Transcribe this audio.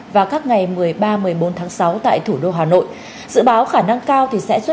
một mươi hai và các ngày một mươi ba một mươi bốn tháng sáu tại thủ đô hà nội